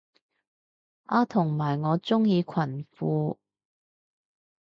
啊同埋我鍾意裙褲